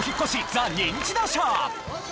『ザ・ニンチドショー』。